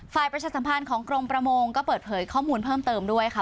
ประชาสัมพันธ์ของกรมประมงก็เปิดเผยข้อมูลเพิ่มเติมด้วยค่ะ